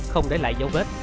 không để lại dấu vết